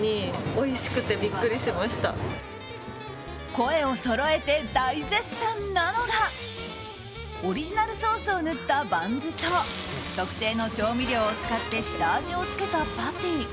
声をそろえて大絶賛なのがオリジナルソースを塗ったバンズと特製の調味料を使って下味をつけたパティ。